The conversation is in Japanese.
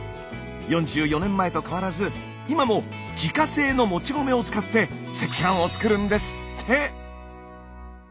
４４年前と変わらず今も自家製のもち米を使って赤飯を作るんですって。